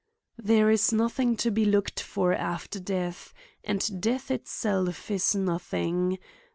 " There is nothing to be looked for after deaths and death itself is nothing.